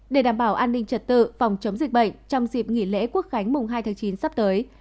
để đảm bảo an ninh trật tự phòng chống dịch bệnh trong dịp nghỉ lễ quốc khánh mùng hai tháng chín sắp tới